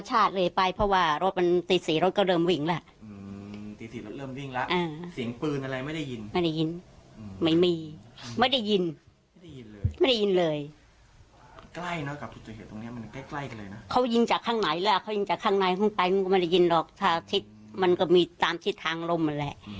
แหละเขายินจากข้างในข้างใกล้ก็ไม่ได้ยินหรอกมันก็มีตามที่ทางลมเลย